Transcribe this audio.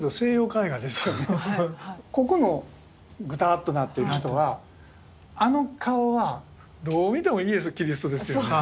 ここのグターッとなってる人はあの顔はどう見てもイエス・キリストですよね。